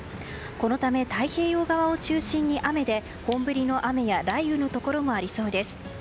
このため太平洋側を中心に雨で本降りの雨や雷雨のところもありそうです。